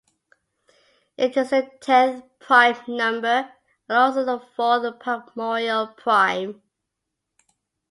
It is the tenth prime number, and also the fourth primorial prime.